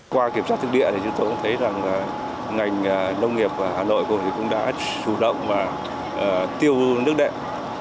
qua kiểm soát thực địa thì chúng tôi cũng thấy rằng ngành nông nghiệp hà nội cũng đã chủ động tiêu nước đệm